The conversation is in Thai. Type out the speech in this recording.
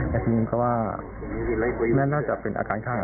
ชื่องูก็ว่าน่าจะเป็นอาการฆั่ง